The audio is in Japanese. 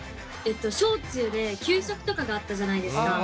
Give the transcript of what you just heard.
小中で給食とかがあったじゃないですか。